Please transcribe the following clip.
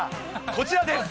こちらです。